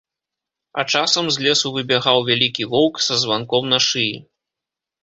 А часам з лесу выбягаў вялікі воўк са званком на шыі.